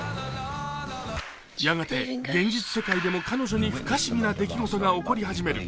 やがて現実世界でも彼女に不可思議な出来事が起こり始める。